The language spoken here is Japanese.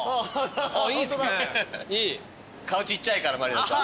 顔ちっちゃいから満里奈さん。